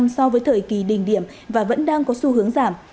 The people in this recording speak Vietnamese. so với thời kỳ đỉnh điểm và vẫn đang có xu hướng giảm